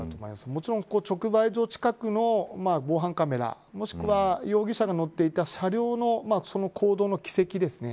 もちろん直売所近くの防犯カメラもしくは容疑者の乗っていた車両の行動の軌跡ですね。